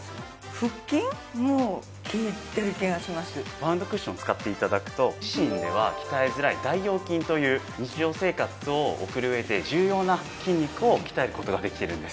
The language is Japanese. バウンドクッションを使って頂くと自身では鍛えづらい大腰筋という日常生活を送る上で重要な筋肉を鍛える事ができるんです。